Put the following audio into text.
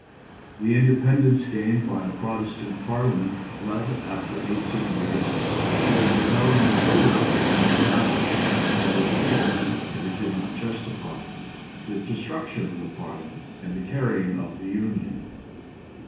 The independence gained by a Protestant Parliament led, after eighteen years, to a rebellion so reckless and savage that it caused, if it did not justify, the destruction of the Parliament and the carrying of the Union.